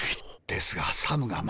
ですがサムがまだ。